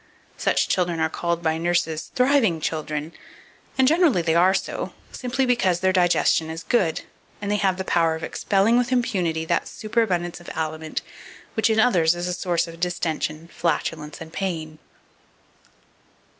Such children are called by nurses "thriving children;" and generally they are so, simply because their digestion is good, and they have the power of expelling with impunity that superabundance of aliment which in others is a source of distension, flatulence, and pain.